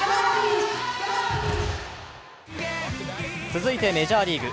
続いてメジャーリーグ。